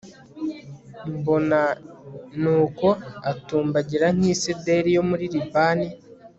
mbona n'uko atumbagira nk'isederi yo muri libani